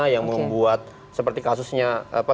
yang membuat seperti kasusnya